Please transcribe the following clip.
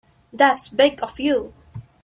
That's big of you.